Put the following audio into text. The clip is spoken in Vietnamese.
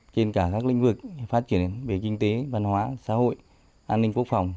trên cả các lĩnh vực phát triển về kinh tế văn hóa xã hội an ninh quốc phòng